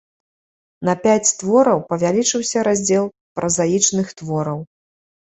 На пяць твораў павялічыўся раздзел празаічных твораў.